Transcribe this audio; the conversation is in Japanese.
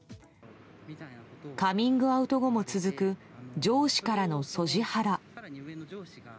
カミングアウト後も続く上司からのＳＯＧＩハラ。